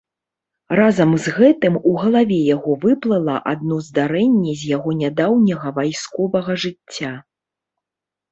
Разам з гэтым у галаве яго выплыла адно здарэнне з яго нядаўняга вайсковага жыцця.